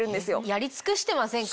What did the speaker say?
やり尽くしてませんか？